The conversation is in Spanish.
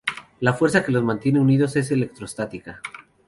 La fuerza que los mantiene unidos es electrostática.